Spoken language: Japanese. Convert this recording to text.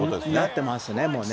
なってますね、もうね。